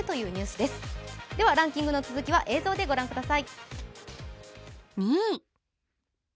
では、ランキングの続きは映像でご覧ください。